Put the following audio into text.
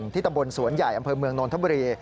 ที่ตะบลสวนใหญ่อำเภอเมืองนทบรี